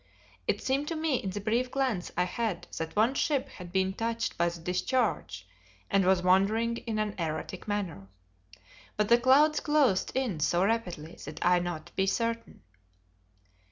It seemed to me in the brief glance I had that one ship had been touched by the discharge and was wandering in an erratic manner. But the clouds closed in so rapidly that I not be certain.